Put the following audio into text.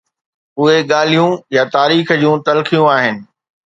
اهي ڳالهيون يا تاريخ جون تلخيون آهن.